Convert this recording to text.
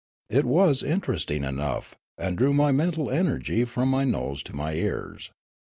It was interesting enough, and drew my mental energy from my nose to my ears.